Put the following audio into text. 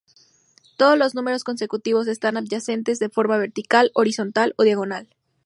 Todos los números consecutivos están adyacentes de forma vertical, horizontal o diagonal.